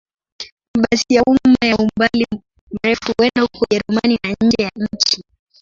Mabasi ya umma ya umbali mrefu huenda huko Ujerumani na nje ya nchi.